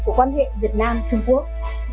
của quan hệ việt nam trung quốc